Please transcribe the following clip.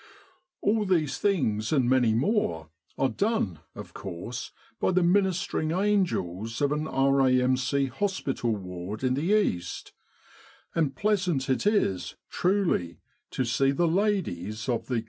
All these things and many more, are done, of course, by the ministering angels of an R.A.M.C. hospital ward in the East; and pleasant it is, truly, to see the ladies of the Q.